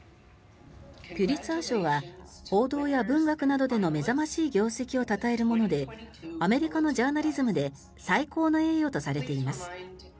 ピュリツァー賞は報道や文学などでの目覚ましい業績をたたえるものでアメリカのジャーナリズムで最高の栄誉とされています。